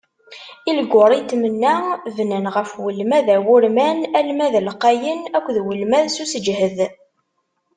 Ilguritmen-a, bnan ɣef ulmad awurman, Almad lqayen akked ulmad s useǧhed.